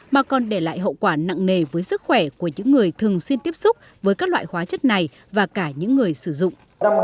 mà còn để lại hậu quả nặng nề với sức khỏe của những người thường xuyên tiếp xúc với các loại hóa chất này và cả những người sử dụng